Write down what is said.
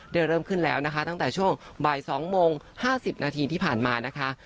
เริ่มขึ้นแล้วนะคะตั้งแต่ช่วงบ่าย๒โมง๕๐นาทีที่ผ่านมานะคะ